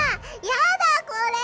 やだこれ！